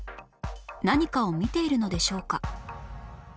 何かを見ているのでしょうか？